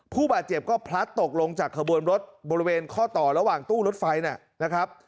ผู้บาดเจ็บก็พลัดตกลงจากขบวนรถบริเวณข้อต่อระหว่างตู้รถไฟนะครับ